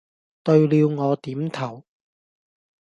對了我點頭，